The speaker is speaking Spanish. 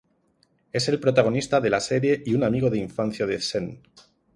Es el protagonista de la serie y un amigo de infancia de Sen.